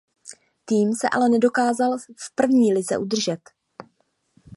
Tým se ale nedokázal v první lize udržet.